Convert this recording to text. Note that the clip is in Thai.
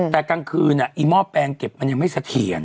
แต่กลางคืนไอ้หม้อแปลงเก็บมันยังไม่เสถียร